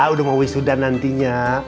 udah mau wisuda nantinya